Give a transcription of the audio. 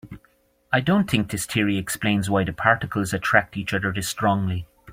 I don't think this theory explains why the particles attract each other this strongly.